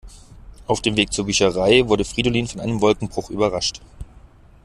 Auf dem Weg zur Bücherei wurde Fridolin von einem Wolkenbruch überrascht.